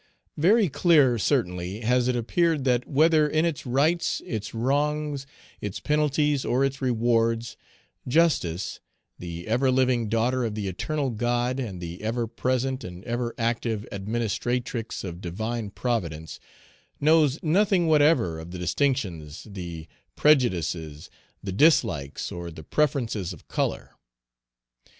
Very clear, certainly, has it appeared, that whether in its rights, its wrongs, its penalties, or its rewards, Justice the everliving daughter of the eternal God, and the ever present and ever active administratrix of divine Providence knows nothing whatever of the distinctions, the prejudices, the dislikes, or the preferences of color.